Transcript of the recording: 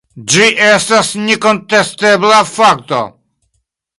Ĝi estas nekontestebla fakto.